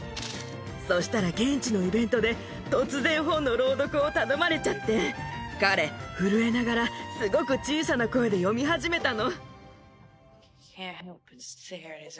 そしたら現地のイベントで突然、本の朗読を頼まれちゃって、彼、震えながら、すごく小さな声で読み始めたの。